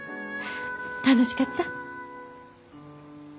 楽しかった？